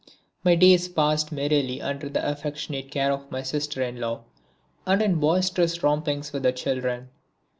My days passed merrily under the affectionate care of my sister in law and in boisterous rompings with the children.